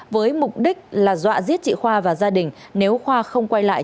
với mục đích là dọa giết chị khoa và gia đình nếu khoa không quay lại